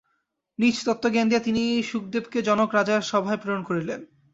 নিজে তত্ত্বজ্ঞান দিয়া তিনি শুকদেবকে জনক-রাজার সভায় প্রেরণ করিলেন।